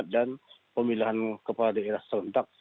dan pemilihan kepala daerah selentak